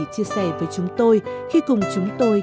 chia sẻ với chúng tôi khi cùng chúng tôi